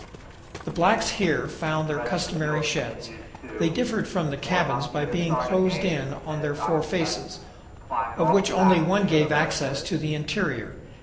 The blacks here found their customary sheds. They differed from the cabins by being closed in on their four faces, of which only one gave access to the interior.